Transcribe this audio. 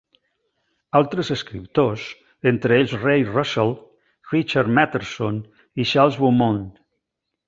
Altres escriptors, entre ells Ray Russell, Richard Matheson i Charles Beaumont.